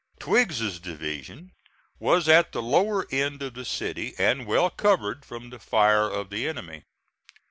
Twiggs's division was at the lower end of the city, and well covered from the fire of the enemy.